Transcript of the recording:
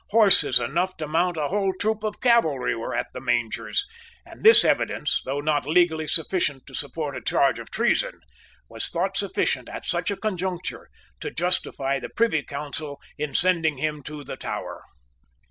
Horses enough to mount a whole troop of cavalry were at the mangers; and this evidence, though not legally sufficient to support a charge of treason, was thought sufficient, at such a conjuncture, to justify the Privy Council in sending him to the Tower.